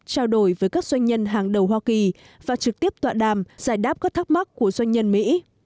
trao đổi với các doanh nhân hàng đầu hoa kỳ và trực tiếp tọa đàm giải đáp các thắc mắc của doanh nhân mỹ